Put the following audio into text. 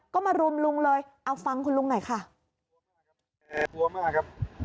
ก็มารุมลุงเลยเอาฟังคุณลุงหน่อยค่ะกลัวมากครับ